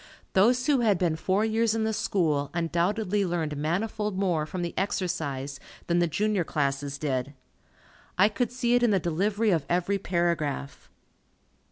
Those who had been four years in the School, undoubtedly learned manifold more from the exercise than the junior classes did. I could see it in the delivery of every paragraph.